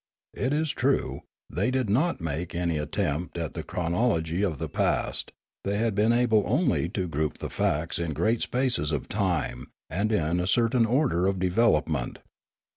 It is true, they di£ not make any attempt at the chronology of the past; they had been able only to group the facts in great spaces of time, and in a certain order of develop ment.